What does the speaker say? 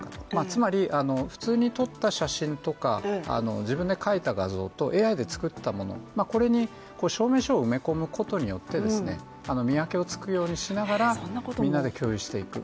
つまり、普通に撮った写真とか自分で描いた画像とＡＩで作ったもの、これに証明書を埋め込むことによって、見分けのつくようにしながらみんなで共有していく。